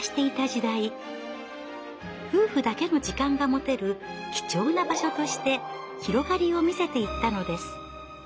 夫婦だけの時間が持てる貴重な場所として広がりを見せていったのです。